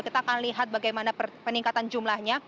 kita akan lihat bagaimana peningkatan jumlahnya